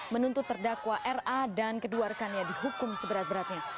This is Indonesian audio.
menuntut terdakwa ra dan keduarkannya dihukum seberat beratnya